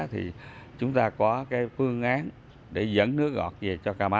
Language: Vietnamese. thì chúng ta có phương án để dẫn nước ngọt về